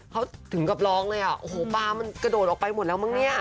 เขาถึงกับร้องเลยอ่ะโอ้โหปลามันกระโดดออกไปหมดแล้วมั้งเนี่ย